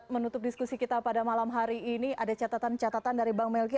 menutup diskusi kita pada malam hari ini ada catatan catatan dari bang melki